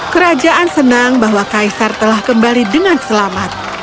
kerajaan senang bahwa kaisar telah kembali dengan selamat